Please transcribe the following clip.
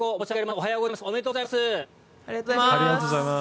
おめでとうございます。